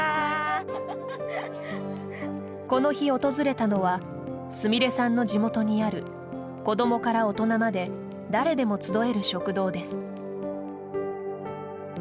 この日、訪れたのはすみれさんの地元にある子どもから大人まで誰でも集える食堂です。